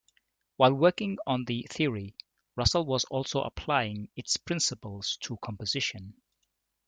While working on the theory, Russell was also applying its principles to composition.